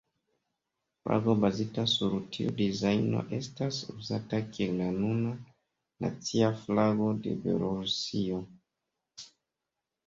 Flago bazita sur tiu dizajno estas uzata kiel la nuna nacia flago de Belorusio.